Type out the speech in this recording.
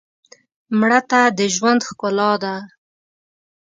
مړه ته د ژوند ښکلا ده